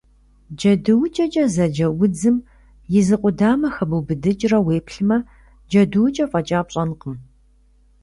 Джэдуукӏэкӏэ зэджэ удзым и зы къудамэ хэбубыдыкӏрэ уеплъмэ, джэдуукӏэ фӏэкӏа пщӏэнкъым.